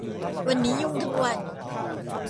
วันนี้ยุ่งทั้งวัน